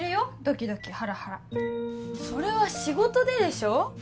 ドキドキハラハラそれは仕事ででしょ？